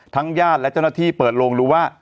ญาติและเจ้าหน้าที่เปิดโลงรู้ว่า